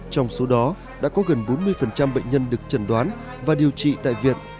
trong số đó đã có gần bốn mươi bệnh nhân được trần đoán và điều trị tại viện